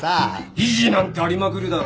意義なんてありまくりだろう。